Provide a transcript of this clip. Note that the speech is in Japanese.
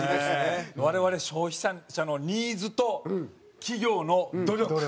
我々消費者のニーズと企業の努力。